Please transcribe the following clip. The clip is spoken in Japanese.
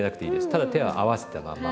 ただ手は合わせたまま。